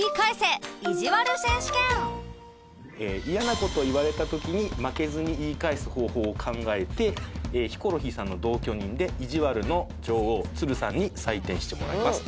イヤな事を言われた時に負けずに言い返す方法を考えてヒコロヒーさんの同居人でいじわるの女王つるさんに採点してもらいます。